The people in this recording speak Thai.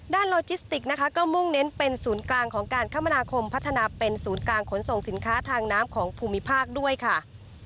โลจิสติกนะคะก็มุ่งเน้นเป็นศูนย์กลางของการคมนาคมพัฒนาเป็นศูนย์กลางขนส่งสินค้าทางน้ำของภูมิภาคด้วยค่ะ